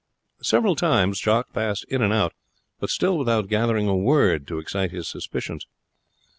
Several times Jock passed in and out, but still without gathering a word to excite his suspicions.